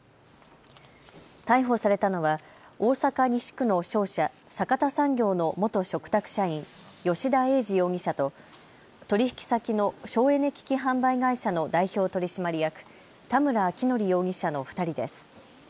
逮捕されたのは大阪西区の商社、阪田産業の元嘱託社員、吉田英司容疑者と取引先の省エネ機器販売会社の代表取締役、田村昭成容疑者の２人です。